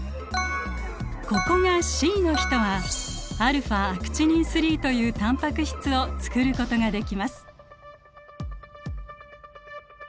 ここが「Ｃ」の人はαアクチニン３というタンパク質をつくることができます。